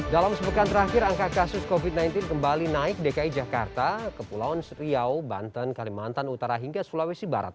dalam sepekan terakhir angka kasus covid sembilan belas kembali naik dki jakarta kepulauan seriau banten kalimantan utara hingga sulawesi barat